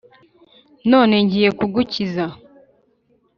none ngiye kugukiza,